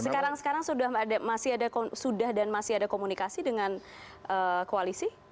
sekarang sekarang sudah dan masih ada komunikasi dengan koalisi